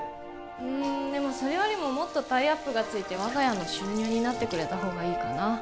うんでもそれよりももっとタイアップがついて我が家の収入になってくれた方がいいかな